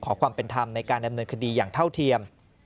ขอความเป็นธรรมในการดำเนินคดีอย่างเท่าเทียม